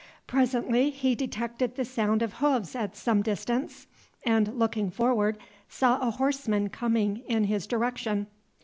Presently he detected the sound of hoofs at some distance, and, looking forward, saw a horseman coming in his direction.